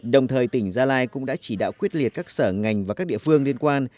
đồng thời tỉnh gia lai cũng đã chỉ đạo quyết liệt các sở ngành và các địa phương liên quan